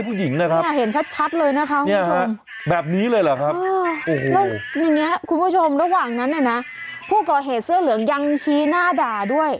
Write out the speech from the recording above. พูดก่อเหตุเสื้อเหลืองยังชี้หน้าด่าด้วย